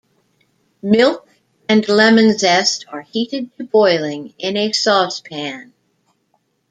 Milk and lemon zest are heated to boiling in a saucepan.